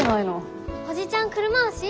おじちゃん車押し？